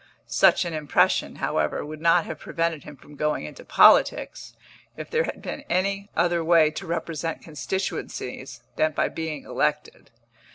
Such an impression, however, would not have prevented him from going into politics, if there had been any other way to represent constituencies than by being elected.